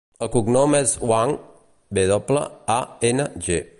El cognom és Wang: ve doble, a, ena, ge.